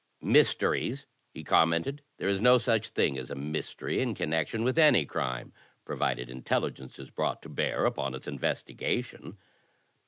"Mysteries!" he commented. "There is no such thing as a mystery in connection with any crime, provided inteUigence is brought to bear upon its investigation."